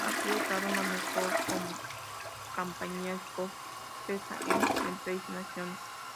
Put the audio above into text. Ha sido clave en la mejor campaña escocesa en el Seis Naciones.